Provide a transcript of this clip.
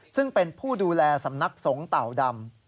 ซึ่งเป็นผู้ดูแลสำนักสงฆ์เต่าดำ